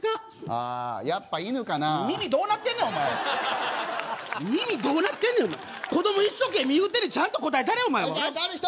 ああやっぱ犬かなあ耳どうなってんねんお前耳どうなってんねんお前子供一生懸命言うてんねんちゃんと答えたれじゃ他ある人